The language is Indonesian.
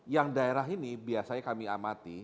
yang daerah ini biasanya kami amati